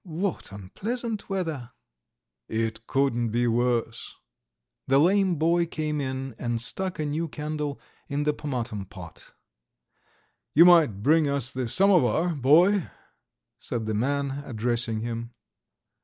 What unpleasant weather!" "It couldn't be worse." The lame boy came in and stuck a new candle in the pomatum pot. "You might bring us the samovar, boy," said the man, addressing him.